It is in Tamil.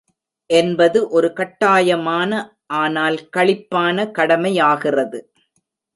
என்பது ஒரு கட்டாயமான, ஆனால் களிப்பான கடமையாகிறது.